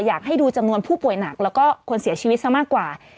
อยากให้ดูจำนวนผู้ป่วยหนักแล้วก็คนเสียชีวิตซะมากกว่า